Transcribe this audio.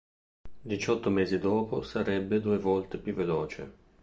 Diciotto mesi dopo sarebbe due volte più veloce.